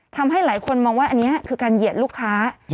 ทำให้หลายคนมองว่าอันนี้คือการเหยียดลูกค้า